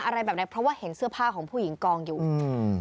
อะไรแบบไหนเพราะว่าเห็นเสื้อผ้าของผู้หญิงกองอยู่อืม